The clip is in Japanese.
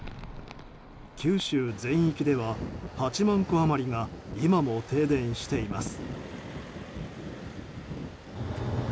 九州全域では８万戸余りが今も停電しています。